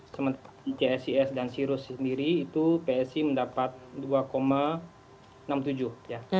sementara csis dan sirus sendiri itu psi mendapat dua enam puluh tujuh ya